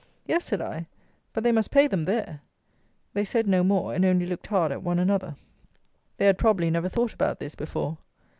"Yes," said I, "but they must pay them there." They said no more, and only looked hard at one another. They had, probably, never thought about this before.